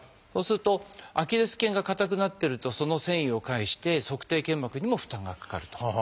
そうするとアキレス腱が硬くなってるとその線維を介して足底腱膜にも負担がかかると。